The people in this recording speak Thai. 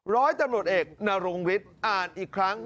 ร้อยตำรวจเอกนรงฤทธิ์อ่านอีกครั้ง